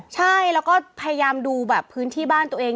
ใช่แล้วก็พยายามดูแบบพื้นที่บ้านตัวเอง